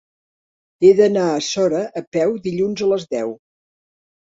He d'anar a Sora a peu dilluns a les deu.